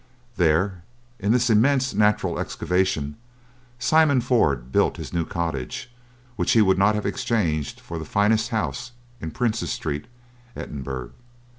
There, in this immense natural excavation, Simon Ford built his new cottage, which he would not have exchanged for the finest house in Prince's Street, Edinburgh.